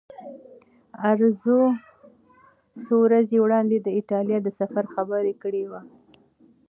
ارزو څو ورځې وړاندې د ایټالیا د سفر خبره کړې وه.